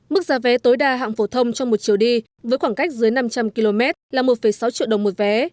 mức giá vé tối đa hạng phổ thông trong một chiều đi với khoảng cách dưới năm trăm linh km là một sáu triệu đồng một vé